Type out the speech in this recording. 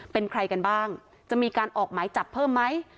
เป็นใครกันบ้างจะมีการออกหมายจับเพิ่มไหม